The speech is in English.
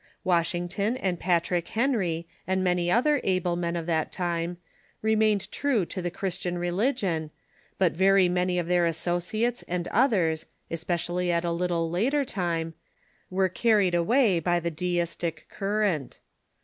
Washington and Patrick Henry, and many other able men of that time, remained true to the Christian re ligion, but very many of their associates and others — espe cially at a little later time — were carried away by the Deistic current.